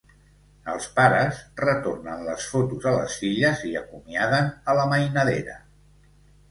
Els pares retornen les fotos a les filles i acomiaden a la mainadera.